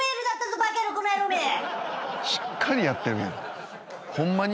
しっかりやってるやん。